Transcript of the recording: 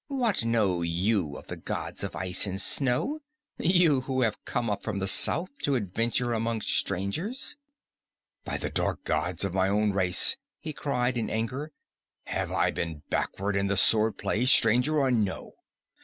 "What know you of the gods of ice and snow, you who have come up from the south to adventure among strangers?" "By the dark gods of my own race!" he cried in anger. "Have I been backward in the sword play, stranger or no?